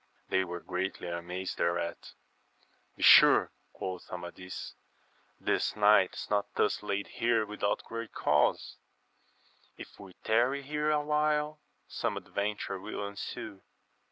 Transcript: They were greatly amazed thereat. Besure, quoth Amadis, this knight is not thus laid here without great cause ; if we tarry here awhile some adventure will ensue.